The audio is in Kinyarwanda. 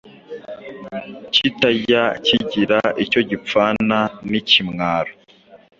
Kitajya kigira icyo gipfana n’ikimwaro